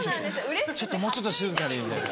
「ちょっともうちょっと静かに」みたいな。